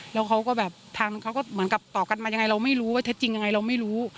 แล้วเขาก็แบบทางเขาก็เหมือนกับตอบกันมายังไงเราไม่รู้ว่าเท็จจริงยังไงเราไม่รู้